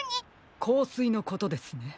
こうすいのことですね。